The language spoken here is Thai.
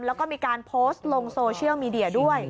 แล้วก็มีการโพสต์ลงโซเชียลมีเดียด้วย